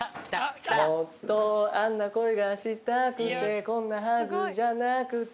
もっとあんな恋がしたくてこんなはずじゃなくて